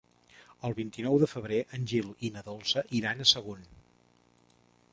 El vint-i-nou de febrer en Gil i na Dolça iran a Sagunt.